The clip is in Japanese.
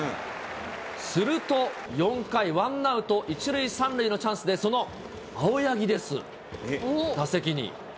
すると、４回ワンアウト１塁３塁のチャンスでその青柳です。